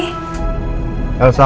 istirahat di kamar